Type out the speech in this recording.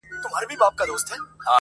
په حرامو سړی کله نه مړېږي,